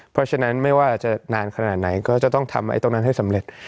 เพราะฉะนั้นไม่ว่าจะนานขนาดไหนก็จะต้องทำไอ้ตรงนั้นให้สำเร็จ